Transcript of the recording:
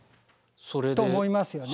と思いますよね。